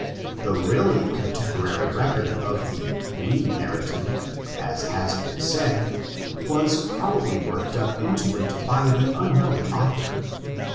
The really contemporary record of the "" we narrative," as has been said, was probably worked up into it by the unknown author.